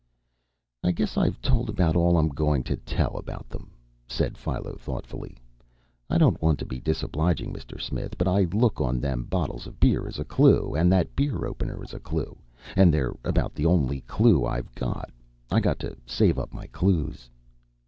"I guess I've told about all I'm going to tell about them," said Philo thoughtfully. "I don't want to be disobliging, Mister Smith, but I look on them bottles of beer as a clue, and that beer opener as a clue, and they're about the only clue I've got. I got to save up my clues."